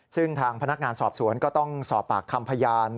ซึ่งทางพนักงานสอบสวนก็ต้องสอบปากคำพยาน